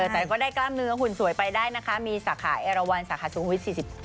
แต่ก็ได้กล้ามเนื้อหุ่นสวยไปได้นะคะมีสาขาเอราวันสาขาสูงวิท๔๗